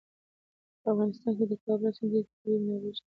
په افغانستان کې د کابل سیند ډېرې طبعي منابع شته.